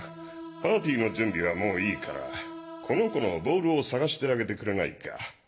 パーティーの準備はもういいからこの子のボールを捜してあげてくれないか？